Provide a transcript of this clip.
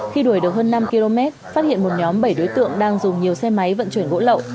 khi đuổi được hơn năm km phát hiện một nhóm bảy đối tượng đang dùng nhiều xe máy vận chuyển gỗ lậu